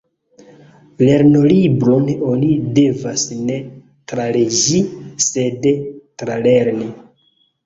Lernolibron oni devas ne traleĝi, sed tralerni.